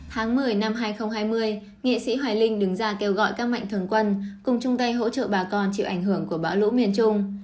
tháng một mươi năm hai nghìn hai mươi nghệ sĩ hoài linh đứng ra kêu gọi các mạnh thường quân cùng chung tay hỗ trợ bà con chịu ảnh hưởng của bão lũ miền trung